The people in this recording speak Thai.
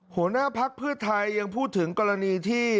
หัวหน้าพักเพื่อไทยยังพูดถึงกรณีที่